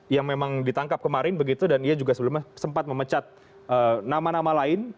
yang memang ditangkap kemarin begitu dan ia juga sebelumnya sempat memecat nama nama lain